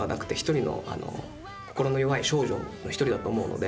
心の弱い少女の一人だと思うので。